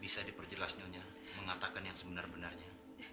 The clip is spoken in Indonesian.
bisa diperjelas nyonya mengatakan yang sebenar benarnya